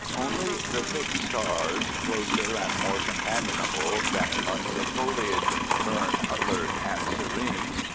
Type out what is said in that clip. Only the thick stars, closer and more companionable than in months of foliage, burn alert and serene.